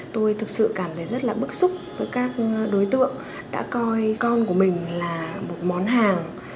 tôi thực sự cảm thấy rất là bức xúc với các đối tượng đã coi con của mình là một món hàng